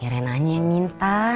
ya reina aja yang minta